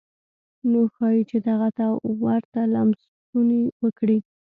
نو ښايي چې دغه ته ورته لمسونې وکړي.